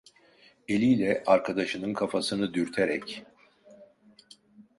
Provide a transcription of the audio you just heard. Eliyle arkadaşının kafasını dürterek: